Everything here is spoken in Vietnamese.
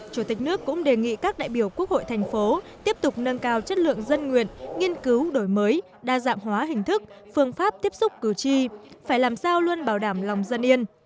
chủ tịch nước cũng đề nghị các đại biểu quốc hội thành phố tiếp tục nâng cao chất lượng dân nguyện nghiên cứu đổi mới đa dạng hóa hình thức phương pháp tiếp xúc cử tri phải làm sao luôn bảo đảm lòng dân yên